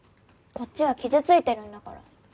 こっちは傷ついてるんだから。